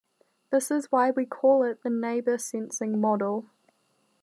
This is why we call it the Neighbour-Sensing model.